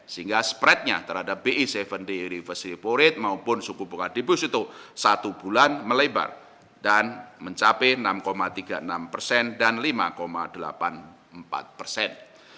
sehingga spreadnya terhadap bi tujuh day reverse repo rate maupun suku bunga deposito satu bulan melebar dan mencapai enam tiga puluh enam persen dan lima delapan puluh empat persen